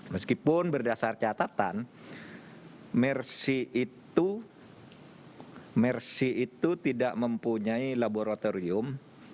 meskipun berdasar catatan mersi itu tidak mempunyai laboratorium